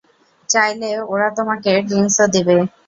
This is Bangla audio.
চাইলে ওরা তোমাকে ড্রিংক্সও দেবে।